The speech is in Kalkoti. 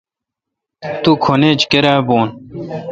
تم کھن ایچ کیرا بھون۔